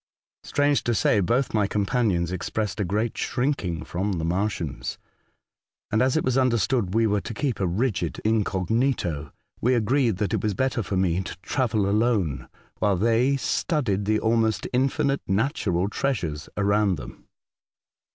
Strange to say, both my com panions expressed a great shrinking from the Martians, and as it was understood we were to keep a rigid incognito, we agreed that it was better for me to travel alone, while they studied the almost infinite natural treasures around them.